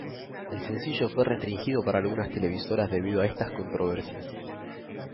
El sencillo fue restringido para algunas televisoras debido a estas controversias.